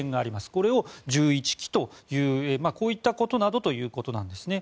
これを１１機というこういったことなどということなんですね。